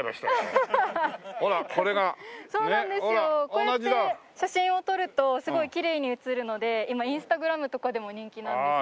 こうやって写真を撮るとすごいきれいに写るので今インスタグラムとかでも人気なんですよ。